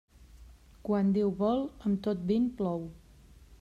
Quan Déu vol, amb tot vent plou.